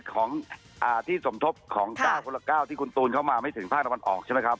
คือจากที่สนทบของกาวปูระกาวที่คุณตูนเข้ามาไม่ถึงภาพด้าวนอกใช่ไหมครับ